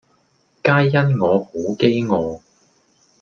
皆因我好飢餓